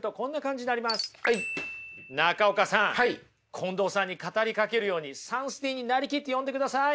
近藤さんに語りかけるようにサンスティーンに成りきって読んでください。